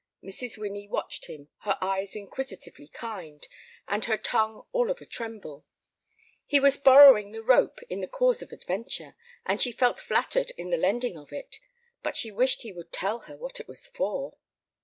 Mrs. Winnie watched him, her eyes inquisitively kind, and her tongue all of a tremble. He was borrowing the rope in the cause of adventure, and she felt flattered in the lending of it, but she wished he would tell her what it was for.